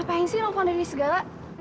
ngapain sih lo telepon riri segala